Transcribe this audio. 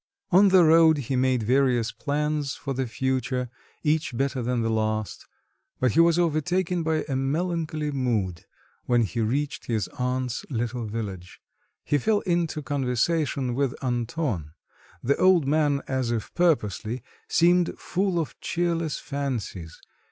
On the road he made various plans for the future, each better than the last; but he was overtaken by a melancholy mood when he reached his aunt's little village. He fell into conversation with Anton; the old man, as if purposely, seemed full of cheerless fancies.